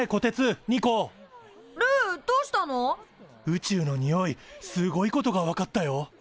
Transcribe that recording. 宇宙のにおいすごいことが分かったよ。